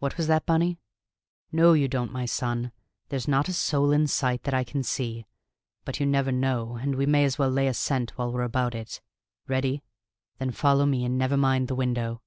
"What was that, Bunny? No, you don't, my son! There's not a soul in sight that I can see, but you never know, and we may as well lay a scent while we're about it. Ready? Then follow me, and never mind the window."